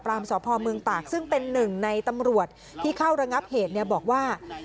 สพเมืองตากซึ่งเป็นหนึ่งในตำรวจที่เข้าระงับเหตุบอกว่า